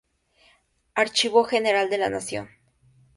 Archivo General de la Nación.